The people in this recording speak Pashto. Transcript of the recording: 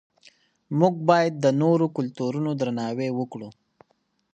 موږ باید د نورو کلتورونو درناوی وکړو.